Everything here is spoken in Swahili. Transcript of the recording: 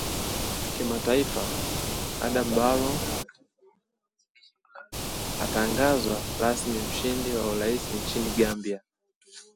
Kimataifa: Adama Barrow atangazwa rasmi mshindi wa urais nchini Gambia